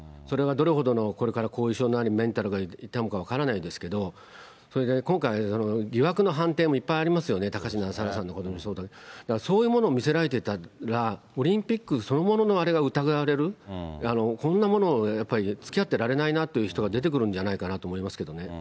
それがどれほどのこれから後遺症になり、メンタルが痛むか分からないですけど、それで今回、疑惑の判定もいっぱいありますよね、高梨沙羅さんの件もそうだけど、そういうものを見せられてたら、オリンピックそのもののあれが疑われる、こんなものをやっぱりつきあってられないなっていう人が出てくるんじゃないかなと思いますけどね。